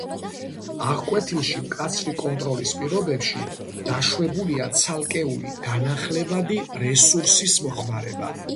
აღკვეთილში მკაცრი კონტროლის პირობებში დაშვებულია ცალკეული განახლებადი რესურსის მოხმარება.